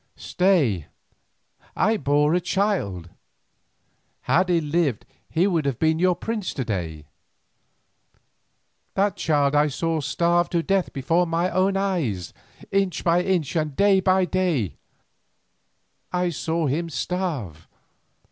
Stay, I bore a child—had he lived he would have been your prince to day. That child I saw starve to death before my eyes, inch by inch and day by day I saw him starve.